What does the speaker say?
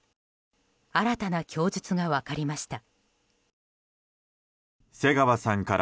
新たな供述が分かりました。